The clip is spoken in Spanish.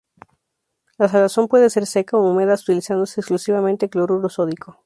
La salazón puede ser seca o húmeda, utilizándose exclusivamente cloruro sódico.